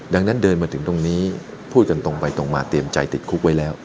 ดังนั้นเดินมาถึงตรงนี้พูดกันตรงไปตรงมาเตรียมใจติดคุกไว้แล้ว